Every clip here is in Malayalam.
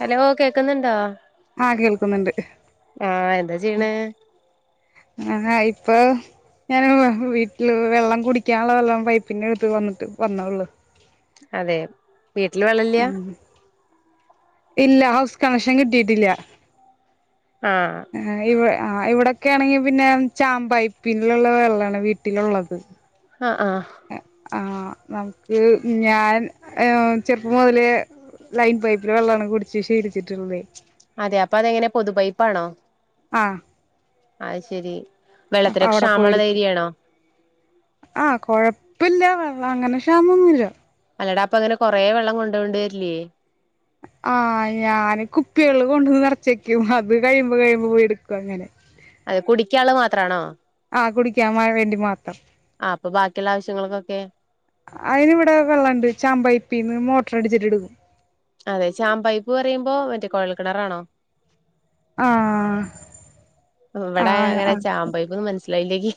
ഹലോ കേക്കുന്ന്ണ്ടോ? ആഹ് കേൾക്കുന്നുണ്ട് ആഹ് എന്ത ചെയ്യണ്? [unintelligible] ഇപ്പൊ ഞാൻ വ വീട്ടില് വെള്ളം കുടിക്കാനുള്ള വെള്ളം പൈപ്പിന്റെ എടുത്ത് വന്ന്ട്ട് വന്നള്ളു അതെ വീട്ടില് വള മ്, ഇല്ല ഹൗസ് കണക്ഷൻ കിട്ടിയിട്ടില്ല ആഹ് ആഹ് ഇവി ആഹ് ഇവിടെക്കെ ആണെങ്കിൽ പിന്നെ ചാമ്പയ്പ്പിലുള്ള വെള്ളമാണ് വീട്ടിലുള്ളത്. ആഹ് ആഹ് ആഹ് നമുക്ക് ഞാൻ ചെറുപ്പം മുതലേ ലൈൻ പൈപ്പില വെള്ളാണ് കുടിച്ച് ശീലിച്ചിട്ടുള്ളത് അതെ അപ്പൊ അതെങ്ങനെ പൊതു പൈപ്പാണോ? ആഹ് അത് ശെരി അപ്പൊ വെള്ളത്തിനൊക്കെ അവിടെ ക്ഷാമള്ള പോയെടുക്കും ഏര്യാണോ? ആഹ് കൊഴപ്പല്ല വെള്ളം അങ്ങനെ ക്ഷാമൊന്നുംല്ല. അല്ലടാ അപ്പ അങ്ങനെ കൊറെ വെള്ളം കൊണ്ടോവണ്ടി വരില്ലേ ആഹ് ഞാന് കുപ്പികള് കൊണ്ടന്ന് നിറച്ചക്കും അത് കഴിയുമ്പോ കഴിയുമ്പ പോയി എടുക്കും അങ്ങനെ അതെ കുടിക്ക്കാള്ള മാത്രാണോ ആ കുടിക്കാന് വേ വേണ്ടി മാത്രം ആഹ് അപ്പൊ ബാക്കിള്ള ആവശ്യങ്ങൾക്കൊക്കെ അയ്നിവിടെ വെള്ളണ്ട് ചാമ്പൈപ്പീന്ന് മോട്ടർ അടിച്ചിട്ട്ട് എടുക്കും അതെ ചാമ്പൈപ്പ് പറയുമ്പോ മറ്റേ കൊഴൽ കിണറാണോ? ആഹ് വടെ ആഹ് അങ്ങനെ ആഹ് ചാമ്പയിപ്പ്ന്ന് മനസ്സിലായില്ലക്ക്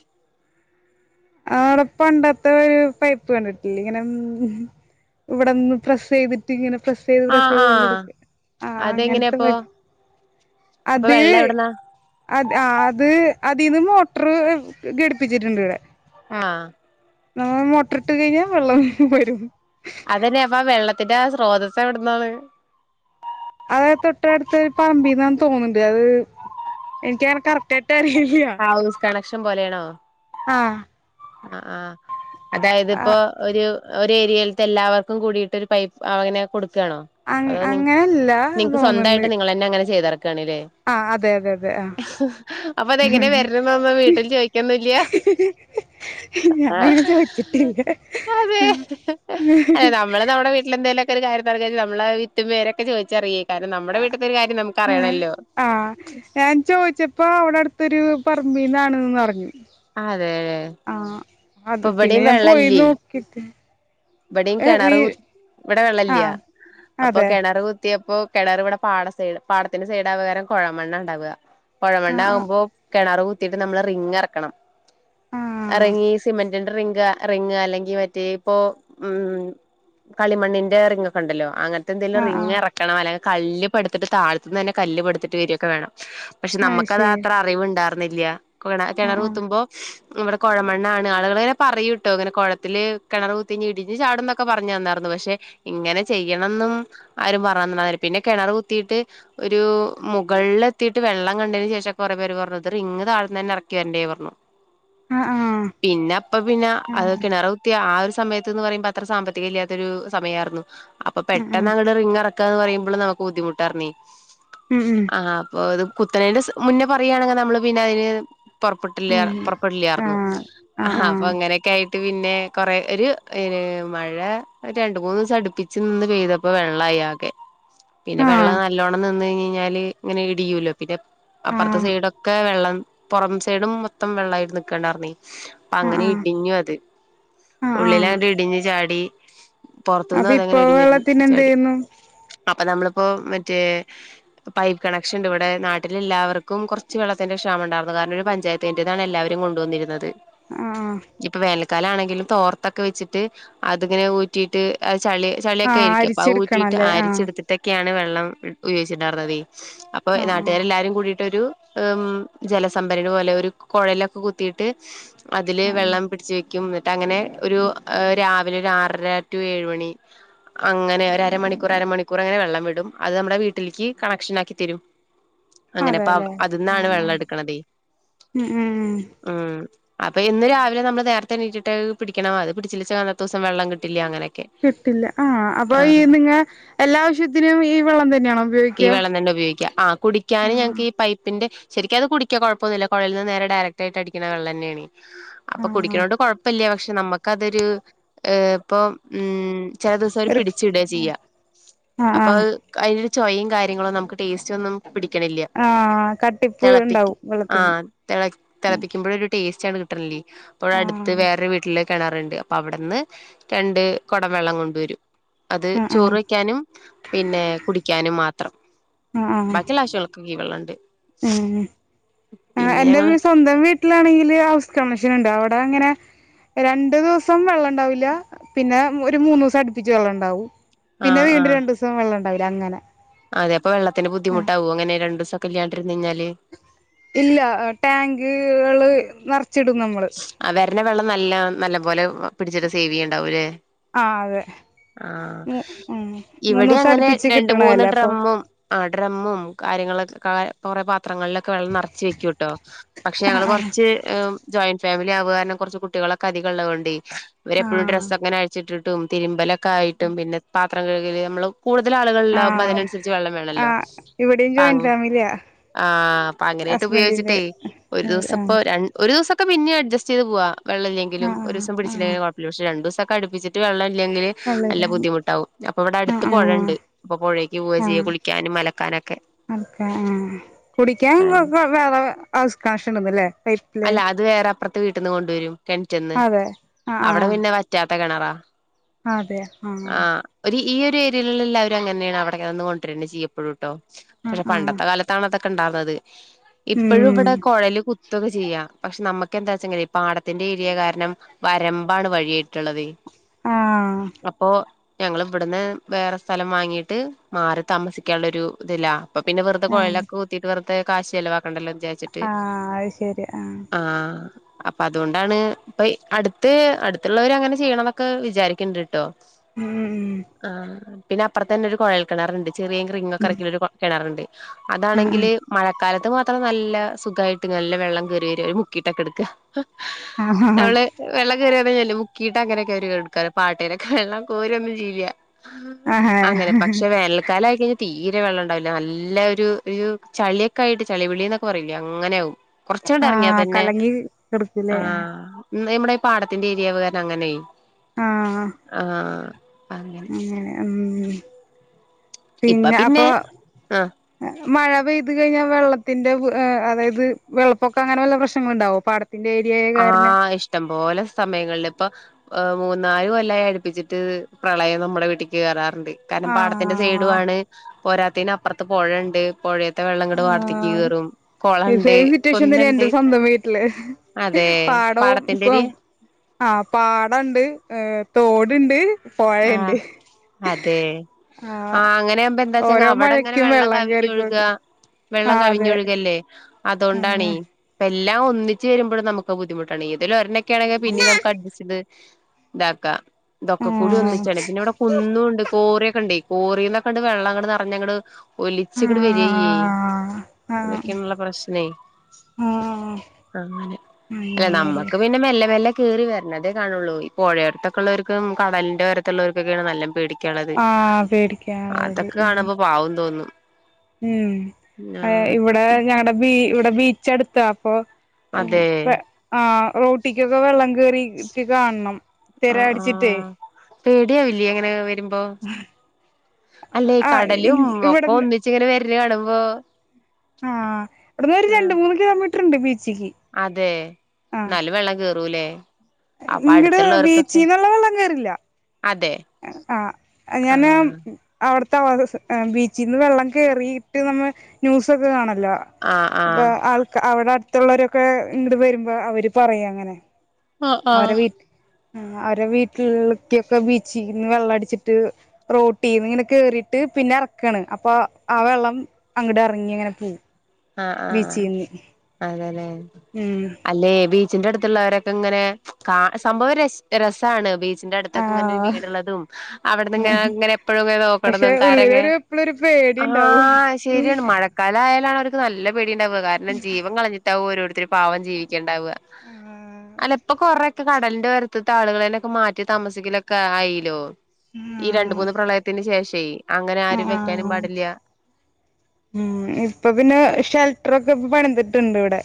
ആടെ പണ്ടത്തെ ഒരു പൈപ്പ് കണ്ടിട്ടില്ലെ ഇങ്ങനെ ഇവിടെന്ന് പ്രസ് ചെയ്ത് ട്ടിങ്ങനെ പ്രസ് ചെയ്ത്, പ്രസ് ആഹ് ചെയ്ത് ആഹ് വെള്ളെടുക്ക ആഹ് അങ്ങനത്തെ അതെങ്ങനെയാപ്പൊ പൈപ്പി അപ്പൊ വെള്ളം എവിടന്നാ? അത് ആഹ് അത് അതിന്ന് മോട്ടർ ഘടിപ്പിച്ചിട്ടുണ്ട് ഇവിടെ ആഹ് നമ്മ മോട്ടറിട്ട് കഴിഞ്ഞാ വെള്ളം വരും അതന്നെ അപ്പൊ ആ വെള്ളത്തിന്റെ സ്രോതസ് എവിടന്നാണ്? അത് തൊട്ടടുത്ത ഒരു പറമ്പിന്നാന്ന് തോന്ന്ണ്ട് അത് എനിക്കങ്ങനെ കറക്റ്റായിട്ട് അറിയില്ല ഹൗസ് കണക്ഷൻ പോലെയാണോ? ആഹ് ആഹ് ആഹ്, അതായത് ആ ഇപ്പോ ഒരു ഒരു ഏരിയയിലത്തെ എല്ലാവർക്കും കൂടിയിട്ട് ഒരു പൈപ്പ് അങ്ങനെ കൊടുക്കാണോ അ അതോ നി അങ്ങനല്ല നിങ്ങക്ക് തോന്നുന്നുണ്ട് സ്വന്തയിട്ട് നിങ്ങളെന്നെ അങ്ങനെ ചെയ്തർക്കാണ് ലെ ആ അതെ അതെ അതെ ആ അപ്പൊ അതെങ്ങനെ വരണന്ന് വീട്ടിൽ ചോയ്ക്കൊന്നില്ല [unintelligible] ഞാനങ്ങനെ ആഹ് ചോദിച്ചിട്ടില്ല അതെ അല്ല നമ്മള് നമ്മുടെ വീട്ടില് എന്തെലൊ ഒരു കാര്യംന്ന് പറഞ്ഞാൽ വിത്തും പേരുമൊക്കെ ചോദിച്ച് അറിയേ കാരണം നമ്മടെ വീട്ടിത്തെ ഒരു കാര്യം നമുക്ക് ആഹ് അറിയണല്ലോ ആഹ് ഞാൻ ചോയ്ച്ചപ്പോ അവിടെ അടുത്തൊരു പറമ്പിൽന്നാണ്ന്ന് പറഞ്ഞു അതെ ആഹ് അത് ഇപ്പൊ പിന്നെ ഇവിടെയും ഞാൻ വെള്ളല്ലേ പോയിന്നു ഇവിടെയും കിണറ് കു ഇവിടെ വെള്ളല്ലയാ ആഹ് അപ്പൊ അതെ കിണർ കു ത്തിയപ്പോ കിണർ ഇവിടെ പാട സൈഡ് പാടത്തിന്റെ സൈഡാ ആയ കാരം കൊഴമണ്ണ ഉണ്ടാവുക കൊഴമെണ്ണ് ആഹ് ആഹ് ആകുമ്പോ കിണർ കുത്തിയിട്ട് നമ്മള് റിങ് ഇറക്കണം ആഹ് റിംഗ് ഈ സിമെന്റിന്റെ റിംഗ് റിങ് അല്ലെങ്കി മറ്റേ ഇപ്പോ ഉം കളിമണ്ണിന്റെ റിങ്ങൊക്കെണ്ടല്ലോ അങ്ങനത്തെ എന്തെങ്കിലും ആഹ് റിംഗ് ആഹ് ഇറ കണം അല്ലെങ്കിൽ കല്ല് പടുത്തിട്ട് താഴത്തു നിന്ന് തന്നെ കല്ല് പടുത്തിട്ട് വരിയൊക്കെ വേണം പക്ഷെ നമ്മുക്ക് അത് അത്ര അറിവുണ്ടായിരുന്നില്ല കിണ കിണർ ആഹ് ആഹ് കുത്തുമ്പോ ഇവിടെ കുഴമണ്ണ ആണ് ആളുകൾങ്ങനെ പറയുട്ടോ അങ്ങനെ കുഴത്തിൽ കിണർ കു തിഞ് ഇടിഞ് ചാടും എന്നൊക്കെ പറഞ്ഞു തന്നായിരുന്നു പക്ഷെ ഇങ്ങനെ ചെയ്യണംന്നും ആരും പറഞ്ഞന്നില്ല പിന്നെ കിണർ കുത്തിയിട്ട് ഒരു മുകളിൽ എത്തിയിട്ട് വെള്ളം കണ്ടതിന് ശേഷം കൊറെ പേര് പറഞ്ഞു ഇത് റിങ് താഴത്ത്ന്ന് തന്നെ ഇറക്കി വരണ്ടേ പറഞ്ഞു [inaudible] പിന്നെ അപ്പ പിന്നെ ആഹ് അത് ആണ് കിണർ കുത്തിയ ആ ഒരു സമയത്ത് ത്ത്ന്ന് പറയുമ്പോ അത്ര സാമ്പത്തിക ഇല്ലാത്തൊരു സമയമായിരുന്നു അപ്പൊ ആഹ് പെട്ടന്ന് ആഹ് അങ്ങട്ട് റിംഗ് എറ ക്കാന്ന് പറയുമ്പോൾ നമുക്ക് ബുദ്ധിമുട്ടായിർന്നേ ഉം ഉം ആഹ് അപ്പൊ അത് കുത്തനേന്റെ മുന്നേ പറയുകയാണെങ്കിൽ നമ്മള് പിന്നെ അതിന് പുറപ്പെട്ടില്ല ഉം പുറപ്പെടില്ലായിരുന്നു ആഹ് ആഹ് ആഹാ അപ്പൊ അങ്ങനെയൊക്കെ ആയിട്ട് പിന്നെ കൊറെ ഒരു ന് മഴ രണ്ട മൂന്ന് ദിവസം അടുപ്പിച്ച് നിന്ന് പെയ്തപ്പോ വെള്ളായി ആകെ പിന്നെ ആഹ് വെള്ളം നല്ലോണം നിന്ന് കഴഞ്ഞെഴ്ഞ്ഞാല് ഇങ്ങനെ ഇടിയൊലോ പിന്നെ അപ്പുറത്തെ ആഹ് സൈഡൊക്കെ വെള്ളം പുറം സൈഡും മൊത്തം വെള്ളമായിട്ട് നിക്ക്‌ണ്ടായിരുന്നെ അപ്പ ആഹ് ആഹ് അങ്ങനെ ആഹ് ഇടിഞ്ഞു അത് ആഹ് ഉള്ളില് ആഹ് അങ്ങട്ട് ഇടിഞ് ചാടി പുറത്തുനിന്ന് അപ്പൊ അതങ്ങനെ ഇപ്പൊ ഇടിഞ്ടി വെള്ളത്തിന് എന്ത് ചാടി ചെയ്യുന്നു അപ്പൊ നമ്മളിപ്പോ മറ്റേ പൈപ്പ് കണക്ഷൻ ഉണ്ട് ഇവിടെ നാട്ടിലെല്ലാവർക്കും കുറച്ച് വെള്ളത്തിന്റെ ക്ഷാമണ്ടായിരുന്നു കാരണം ഒരു പഞ്ചായ ത്തിന്റേതാണ് എല്ലാവരും കൊണ്ടുവന്നിരുന്നത് ആഹ് ഇപ്പൊ വേനൽക്കാലം ആണെങ്കിലും തോർത്തൊക്കെ വെച്ചിട്ട് അതിങ്ങനെ ഊറ്റിയിട്ട് ചളി ആഹ് ആഹ് ചളിയൊക്കെയായിരിക്കും അപ്പം അത് ഊറ്റിയിട്ട് അരിച്ചെടുക്കണല്ലേ ആഹ് അരിച്ചെടുത്തിട്ട് ട്ടൊക്കെയാണ് വെള്ളം ഉപയോഗിച്ചിണ്ടായിരുന്നതെ അപ്പൊ ആഹ് ആഹ് നാട്ടുകാർ എല്ലരും കൂടിട്ട് ട്ടൊരു ജലസംഭരണി പോലെ ഒരു കുഴലൊക്കെ കുത്തിയിട്ട് അതില് ആഹ് വെള്ളം പിടിച്ച് വെക്കും എന്നിട്ട് അങ്ങനെ ഒരു രാവിലെ ഒരു ആറര ടു ഏഴ് മണി അങ്ങനെ ഒരു അരമണിക്കൂർ അരമണിക്കൂർ അങ്ങനെ വെള്ളം വിടും അത് നമ്മുടെ വീട്ടിലേക്ക് കണക്ഷൻ ആക്കി തരും [inaudible] അങ്ങനെ ഇപ്പൊ അതിന്നാണ് ആഹ് വെള്ളം ആഹ് എടുക്ക്‌ണതേ ഉം ഉം ഉം ഉം അപ്പൊ എന്നും രാവിലെ നമ്മള് നേരത്തെ എണീറ്റിട്ട് പിടിക്കണ അത് പിടിച്ചില്ലേ ച്ചാ അന്നത്തെ ദിവസം വെള്ളം കിട്ടില്ല അങ്ങനൊക്കെ കിട്ടില്ല ആഹ് അപ്പൊ ഈ നിങ്ങ എല്ലാ ആവശ്യത്തിനും ഈ വെള്ളം തന്നെയാണോ ഉപയോഗ ഈ വെള്ളംതന്നെയുപയോഗിക്കാം ആ.. കുടി കുടിക്കാന് ഞങ്ങക്കീ പൈപ്പിന്റെ ശരിക്കുമതുകുടിക്കാം കുഴപ്പമൊന്നുമില്ല, കുഴലിൽ നിന്നും നേരെ ഡയറക്റ്റായിട്ടടിക്കണ വെള്ളം തന്നെയാണ്. ആഹ് അപ്പൊകുടിക്കണകൊണ്ട് കുഴപ്പമില്ല. പക്ഷേ നമുക്കതൊരു ഏഹ്.. ഇപ്പൊ.. ഉം.. ചിലദിവസമവരു റിക് പിടിച്ചുവിടുക ചെയ്യ ആഹ് അപ്പൊ ആഹ് അതിന് ചൊവയും കാര്യങ്ങളുംനമുക്കു ടേയ്സ്റ്റൊന്നും പിടിക്കണില്ല, ആഹ് കട്ടിപ്പ് തിളപ്പിക്കും ഉണ്ടാവും ആ... വെള്ളത്തിന് തിളപ്പിക്കുമ്പോളൊരു ടേസ്റ്റാണ് കിട്ടു ട്ടില്ലേ അപ്പോ അടുത്ത് ആഹ് വേറെ ഒരു വീട്ടില് കെണറ്ണ്ട് പ്പ വട്ന്ന് രണ്ട് കൊടംവെള്ളം കൊണ്ടുവരും അത് ആഹ് ആഹ് ചോറ് വയ്ക്കാനും പിന്നെകുടിക്കാനും മാത്രം ആഹ് ആഹ് ബാക്കിള്ള ആവശ്യങ്ങൾക്ക് യീ വെള്ളണ്ട്. ഉം ആഹ് പിന്നെ എന്റെ ഞങ്ങള് വീ സ്വന്തം വീ ട്ട്ലാണെങ്കിൽ ഹൗസ് കണക്ഷനുണ്ട് അഒടങ്ങനെ രണ്ടുദിവസം വെള്ളണ്ടാവില്ല. പിന്നെ ഒരു മൂന്നു സം ട്പ്പിച്ച് വെള്ളണ്ടാവും. ആ പിന്നെ ആ വീണ്ടും രണ്ടു സം വെള്ളണ്ടാവില അങ്ങനെ. അതെ പ്പം വെള്ളത്തിന് ആ ബുദ്ധിമുട്ടാകോ ങ്ങനെ രണ്ടുസക്കെ ഇല്യാണ്ട് ര്ന്ന്യ്ഞ്ഞാല്? ഇല്ല ടാങ്ക്കള് നർച്ചിടും നമ്മ ആഹ് വെര്ണവെള്ളം നല്ല നല്ലപോലെ പിട്ച്ചിട്ട് സേവ് യ്യ്ണ്ടാവുല്ലേ? ആ അതെ ആഹ് ഉം മൂന്ന് ഇവടി ദിവസം അങ്ങനെ അടുപ്പിച്ച് രണ്ട്, മൂന്ന് കിട്ടണതല്ലേ അപ്പൊ ഡ്രമ്മും ആഹ് ഡ്രമ്മും കാര്യങ്ങളൊക്കെ കാ കൊറെ പാത്രങ്ങള്ല വെള്ളം നറച്ച് വെയ്ക്കൂ ട്ടോ പക്ഷേ ആ ഞങ്ങള് ആ കൊർച്ച് എം ജോയൻ്റ് ഫാമിലി ആവാ കാര്ണം കൊർച്ച് കുട്ടികളക്കെ അധികള്ളതോണ്ടേ ഇവരെപ്പഴും ആ ഡ്രസ്സങ്ങനെ അയിച്ചിട്ട് ടും തിര്മ്പലക്കെ ആയിട്ടും പിന്നെ പാത്രം കഴുകല് നമ്മള് കൂടുതലാളുകൾ ണ്ടാകുമ്പോ അതിനൻസരിച്ച് വെള്ളം ആ ആ വേണല്ലോ ഇവിടെയും പങ് ജോയിന്റ് ഫാമിലിയാ ആഹ് അപ്പ അങ്ങനെയിട്ട് ഹസ്ബൻഡിന്റെ ഉപയോഗിച്ചിട്ടേ ഒരു ദിവസ ആ പ്പൊ ര ഒരു ദിവസക്കെ പിന്നെ അഡ്ജസ്റ്റ് യ്ത്പോവാ ആ വെള്ളല്ലെങ്കിലും ഒരു സം ആ ആ പിടിച്ചില്ലെങ്കിലും കൊഴ പക്ഷേ രണ്ടുസക്കെ അട്പ്പിച്ചിട്ട് വെള്ളല്ലെങ്കില് നല്ല കൊള്ളാം ബുദ്ധിമുട്ടാവും അപ്പൊ ആ ഇവിടെട്ത്ത് ആ പൊഴണ്ട്. പ്പൊ പൊഴേക്ക് പോവ ചെയ്യ കുളിക്കാനും മലക്കാനൊക്കെ. ആക്കെ കുടിക്കാൻ വേ വേ വേറെ വേ ഹൗസ് കണക്ഷണ്ട് ന്ന് ല്ലേ? അല്ല അത് വേറെ അപ്പർത്തെ വീട്ട്ന്ന് കൊണ്ടുവരും കെൺറ്റ്ന്ന് അതെ ആഹ് അവടെ പിന്നെ വറ്റാത്ത കെണറാ. അതെ ആഹ് ഒര് ഈ ഒര് ഏരിയള്ള്ള്ളല്ലാവരും അങ്ങന്നെണ് അവടക്കെ ന്ന് കൊണ്ടരന്ന ചെയ്യും എപ്പള്ട്ടോ ആഹ് പക്ഷെ ആഹ് പണ്ടത്തെ കാല ത്താണതൊക്കെണ്ടാവുന്നത് ഇപ്പഴുവിടെ ഉം കൊഴല് കു കുത്തുക്കെ ചെയ്യാം. പക്ഷെ നമ്മക്കെന്താ ച്ചാങ്ങനെ പാടത്തിന്റെ ഏരിയ കാരണം വരമ്പാണ് വഴിട്ടള്ളത് ആഹ് ആഹ് അപ്പോ ഞങ്ങള് വ്ട്ന്ന് വേറെ സ്ഥലം വാങ്ങീട്ട് മാറി താമസിക്കാള്ളരു തിലാ. അപ്പ പിന്നെ വെർതെ ആഹ് കൊഴലക്കെ കുത്തിയിട്ട് വെർതെ കാശ് ചെലവാക്കണ്ടല്ലോന്നു വിചാ ആഹ് അഹ്ശരി ആഹ് ആഹ് അപ്പ അതോണ്ടാണ് പ്പെയ് അട്ത്ത് അട്ത്തുള്ളോരങ്ങനെ ചെയ്യണന്നൊക്കെ വിചാരിക്ക്ണ്ട് ട്ടോ. ഉം ആഹ് പിന്നെ അപ്പർത്തന്നെരു കൊഴൽ കിണറ്ണ്ട് ചെറിയ റിങ്ങൊക്കെ ഉം എർക്കി യൊരു കൊ കിണറ്ണ്ട് അതാണെങ്കിൽ ഉം മഴക്കാലത്തുമാത്രം നല്ല സുഖായിട്ട് നല്ല വെള്ളം കേറി വരും ഓര് മുക്കിട്ടക്ക എട്ക്ക ആഹ് ആഹ് ആഹ് നമ്മള് വെള്ളം കേറി [unintelligible] മുക്കീട്ട ങ്ങനെക്കെരു എട്ക്കാറ് പാട്ടേലെക്കെ വെള്ളം കോരന്നും ചെയ്യില്ല. ആഹ് അങ്ങനെ ആഹ് പക്ഷേ വേൽ കാലായി കഴിഞ്ഞാ തീരെ വെള്ളണ്ടാവില്ല. നല്ല ഒരു ഒരു ചളിക്കെയായിട്ട് ചളിവിളി ന്നൊക്കെ പറയില്ലേ അങ്ങനെയാകും. കൊർച്ച് ങ്ങട്ട് എർങ്ങ്യ ആഹ് തന്നെ കലങ്ങി കെടുക്കൂലേ ആഹ്. ഇന്നിവടെ പാടത്തിന്റെ ഏരിയാവ കാരണം അങ്ങനെ ആഹ് ആഹ് അ ഉം പിന്നെ അപ്പൊ ആഹ് മഴ പെയ്ത് കഴിഞ്ഞാ വെള്ളത്തിന്റെ വ് ഏഹ് അതായത് വെള്ളപ്പൊക്കങ്ങനെ വല്ല പ്രശ്നങ്ങളുണ്ടാകോ പാട പിന്നേ ഏരിയേ ആഹ് ഇഷ്ടം പോലെ സമയങ്ങള് ലിപ്പോ ഹ് മൂന്നാല് കൊല്ലായി അട്പ്പിച്ചിട്ട് പ്രളയം നമ്മുടെ വീട്ടിക്ക് കേറാറുണ്ട്. കാരണം പാടത്തിന്റെ സൈഡു ആഹ് ആണ് പോരാത്തന് അപ്പർത്ത് പൊഴണ്ട് പൊഴ വെള്ളം ങ്ങട്ട് പാട്ത്തിയക്ക് കേറും ആഹ് കൊളണ്ട് കുന്ന്ണ്ട്. ല്ലേ പാടവും കൊ പാടത്തിന്റെര് ആഹ് പാടണ്ട് ഹ് തോട്ണ്ട് പൊഴണ്ട്. ആഹ് അതെ ആഹ് അങ്ങനെ ആമ്പ എന്താ ച്ച ങ്ങ ഓരോ അവടെ ങ്ങനെ മഴക്കും വെള്ളം കവിഞ്ഞ ഒഴുക. കേറിക്കൊണ്ട് വെള്ളം ആഹ് അതെ കവിഞ്ഞൊഴുകല്ലേ? അതോണ്ടാണേ ആഹ് ഇപ്പല്ലാം ഒന്നിച്ച് വരുമ്പയും നമുക്കഹ് ബുദ്ധിമു ഇതിൽ ഒരണ്ണൊക്കെ ആണെങ്കി പിന്നീം അഡ്ജസ്റ്റ് ചെയ്ത് താക്കാം കൂടി ആഹ് ഒന്നിച്ചാണ് പിന്നെ അവിടെ കുന്നുണ്ട് കോറിയൊക്കെ ഉണ്ടേയ് കോറിന്നൊക്കെണ്ട് വെള്ളം അങ്ങ് നെറഞ്ഞങ്ങട് ഒലിച്ച് ഇങ്ങട് വരിയ്യെ ആഹ് ആഹ് അതൊക്കെയുള്ള പ്രശ്നേ ആഹ് അങ്ങനെ അങ്ങനെല്ലേ ഞമ്മക്ക് പിന്നെ മെല്ലെ മെല്ലെ കേറി വരണതേ കാണൊള്ളൂ ഈ പ്പോഴേടയത്തെക്കുള്ളൊർക്കും കടലിന്റെറെ ഒരത്തുള്ളർക്കൊക്കെയാണ് നല്ല പേടി ക്യണത് ആഹ് പേടിക്കാനുള്ളത് അതൊക്കെ ഉം കാണുമ്പോ പാവം തോന്നും ഉം ആ ഇവിടെ ഞങ്ങള്ടെ ബീ ഇവിടെ ബീച്ച് അടുത്ത അപ്പൊ ഉം അതെ പെ ആഹ് റോട്ടിക്കൊക്കെ വെള്ളം കേറിട്ടക്കെ കാണണം തിര ആഹ് അടിച്ചിട്ടേ ആഹ് പേടിയാവില്ലേ അങ്ങനെ വരുമ്പോ അല്ലേ ആ കടലും ഒക്കെ ഇവിടുന്ന് ഒന്നിച്ച് ഇങ്ങനെ വരല് കാണുമ്പോ ആഹ് ഇവിടന്ന് ഒരു ആഹ് രണ്ട് മൂന്ന് കിലോമീറ്റർ ഉണ്ട് ബീച്ചിക്ക് അതെ ആ ന്നാലും വെള്ളം കേറൂലേ അപ്പൊ ഇങ്ങട് അടുത്തുള്ളവർക്കൊക്കെ ബീച്ചീന്ന്ള്ള വെള്ളം കേറില്ല അതെ ആഹ് ഞാൻ ആഹ് അവിടത്തെ അവ ബീച്ചിൽന്ന് വെള്ളം കേയറിയിട്ട് നമ്മ ന്യൂസൊക്കെ കാണല്ലോ ആഹ് ആഹ് അപ്പോ ആൾക്ക അവടെ അടുത്തുള്ളവരൊക്കെ ഇങ്ങട്ട് വരുമ്പോൾ അവർ പറയും അങ്ങനെ ആഹ് അവരെ ആഹ് വീ അവരെ വീട്ടിലക്കൊക്കെ ബീച്ചിൽന്ന് വെള്ളം അടിച്ചിട്ട് റോട്ടി ഇങ്ങനെ കേറിയിട്ട് പിന്നെ ഇറക്കാണ് അപ്പൊ ആ വെള്ളം അങ്ങോട്ട് ഇറങ്ങി അങ്ങനെ പോവും ആഹ് ആഹ് ബീച്ചീന്ന് അതെലെ ഉം അല്ലെ ബീച്ചിന്റെ അടുത്തുള്ളവരൊക്കെ ഇങ്ങനെ കാ സംഭവം ര രസാണ് ബീച്ച് ബീച്ചിന്റെ അടുത്തൊക്കെ ഇങ്ങനെ ഒരു ആഹ് വീടുള്ളതും അവിടുന്ന് ഇങ്ങെ ആഹ് ഇങ്ങനെ എപ്പോഴും പക്ഷെ നോക്കണതും കാരങ്ങെ ഉള്ളിലൊരു എപ്പളൊരു പേടിണ്ടാവും ആഹ് ശരിയാണ് മഴക്ക കാലായാലാണ് അവർക്ക് നല്ല പേടി ഉണ്ടാവക കാരണം ജീവൻ കളഞ്ഞിട്ടാവും ഓരോരുത്തും പാവം ജീവിക്കണ്ടാവ ആഹ് അല്ലപ്പൊ കൊറെ കടലിന്റെ ഒരത്തത്തെ ആളുകളെൊക്കെ മാറ്റി താമസിക്കലൊക്കെ ആയില്ലോ ഈ രണ്ട് മൂന്ന് പ്രളയത്തിന് ശേഷേ അങ്ങനെ ആഹ് ആരും വെക്കാനും ആഹ് പാടില്ല ഉം ഇപ്പൊ പിന്നെ ഷെൽട്ടർൊക്കെ ഇ പണിതിട്ടുണ്ട് ഇവടെ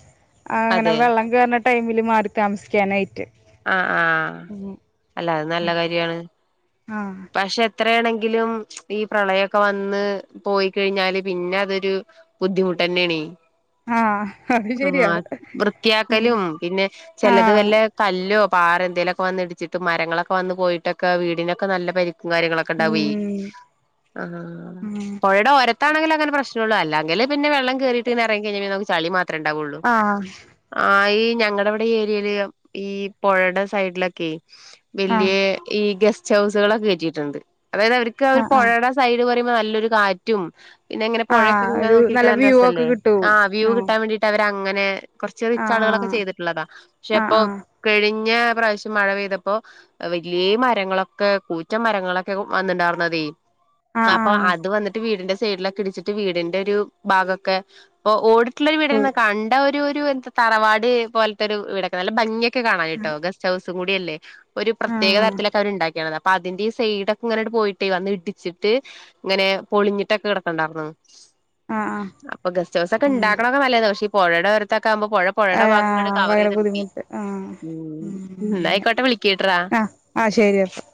അങ്ങനെ അതെ വെള്ളം കയറുന്ന ടൈമില് മാറി താമസിക്കാനായിട്ട് ആഹ് ആഹ് ഉം അല്ല അത് നല്ല കാര്യാണ് ആഹ് പക്ഷെ എത്രയാണെങ്കിലും ഈ പ്രളയൊക്കെ വന്ന് പോയിക്കഴിഞ്ഞാല് പിന്നെ അതൊരു ബുദ്ധിമുട്ട് ന്നെയാണെ ആഹ് അത് ശരിയാ ആഹ് വൃത്തിയാക്കലും പിന്നെ ചെലത് ആഹ് വല്ല കല്ലോ പാറെ എന്തേലോക്കെ വന്നിടിച്ചിട്ട് മരങ്ങളൊക്കെ വന്ന് പോയിട്ടൊക്കെ വീടിനൊക്കെ നല്ല രിക്കും കാര്യങ്ങളൊക്കെ ഉം ഇണ്ടാവെയ് ആഹ് ഉം പൊഴയുടെ ഓര അത്താണെങ്ക അങ്ങന പ്രശ്നമള്ളൂ ത്താണങ്കിൽ അങ്ങനെ പ്രശ്നള്ളതല്ല ങ്കിൽ പിന്നെ വെള്ള കയറിട്ട് ഇങ്ങനെ ഇറങ്ങികഴിഞ്ഞേ നമുക്ക് ചളി മാത്രേ ഉണ്ടാവൊള്ളൂ ആഹ് ആഹ് ഈ ഞങ്ങളടെ ഇവിടെ ഏരിയയില് ഈ പൊഴയുടെ സൈഡിലൊക്കെ ആഹ് വല്യയ ഈ ഗസ്റ്റ് ഹൗസുകളൊക്കെ കേറ്റിയിട്ടുണ്ട് അതായത് അവർക്ക് അവര് ആഹ് ആഹ് പൊഴയുടെ സൈഡ് പറയുമ്പോ നല്ലൊരു കാറ്റും പിന്നെങ്ങനെ ആഹ് പോഴെക്കെങ്ങനെ ഒരു നോക്കിരിക്കാൻ നല്ല വ്യൂ ഒക്കെ രസല്ലേ കിട്ടും ആഹ് വ്യൂ കിട്ടാൻ വേണ്ടി ട്ട് അവരങ്ങനെ കൊറച്ച് ആഹ് റിച്ചാളുകളൊക്കെ ചെയ്തിട്ടുള്ളതാ പക്ഷെ ആഹ് ഇപ്പൊ ആഹ് കഴിഞ്ഞ പ്രാവശ്യം മഴ പെയ്തപ്പോ വല്യേ മരങ്ങളൊക്കെ ക്കെ കൂറ്റം മരങ്ങളൊക്കെ വന്നിണ്ടാരുന്നതേ ആഹ് അപ്പൊ ആഹ് അത് വന്നിട്ട് വീടിന്റെ സൈഡിലൊക്കെ ഇടിച്ചിട്ട് ട്ട് വീടിന്റോരു ഭാഗൊക്കെ ഇപ്പൊ ഓടിട്ടുള്ളൊരു വീട് പോയി കണ്ട ഒരു ഒരു എന്താ തറവാട് പോലത്തൊരു വീടൊക്കെ നല്ല ഭംഗിയൊക്കെ കാണാൻ ട്ടോ ഗസ്റ്റ് ചൗസും കൂടിയല്ലേ ഒരു പ്രത്യേക ആഹ് തരത്തിലൊക്കെ അവരുണ്ടാക്കി ക്കണത് അപ്പൊ അതിന്റി സൈഡൊക്കെ ഇങ്ങനെണ്ട് പോയിട്ടേ വന്നിടിച്ചിട്ട് ഇങ്ങനെ പൊളിഞ്ഞിട്ടൊക്കെ കിടക്ക്ണ്ടാര്ന്ന് ആഹ് ആഹ് അപ്പൊ ഗസ്റ്റ് ഹൗസ് ഒക്കെ അങ്ങനെ ഇണ്ടാക്കണൊക്കെ നല്ലത പക്ഷെ ഈ പൊഴേടെ ഓരത്തൊക്കെ ആമ്പോ പൊഴ പൊഴേടെ ഭാഗം കൂടെ ആഹ് ഭയങ്കര കവറെയ്ത് എടുക്കുവേ ബുദ്ധിമുട്ട് ആഹ് ഉം ഇന്നായിക്കോട്ടെ വിളിക്കിട്രാ ആഹ് ആഹ് ശരിയപ്പോ